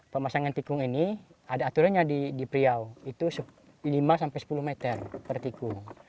pemasangan tikung ini ada aturannya di pria itu lima sampai sepuluh meter per tikung